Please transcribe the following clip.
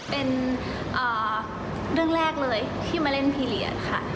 เป็นเรื่องแรกเลยที่มาเล่นพีเรียสค่ะ